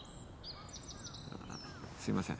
あっすいません。